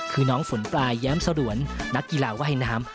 คือน้องฝนปลายแย้มสลวนนักกีฬาว่ายน้ำ